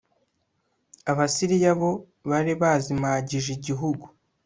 abasiriya bo bari bazimagije igihugu